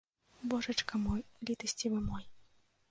Божачка мой, літасцівы мой!